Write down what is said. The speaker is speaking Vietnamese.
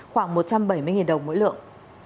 khoảng một trăm bảy mươi đồng một lượng